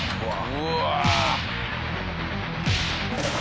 うわ！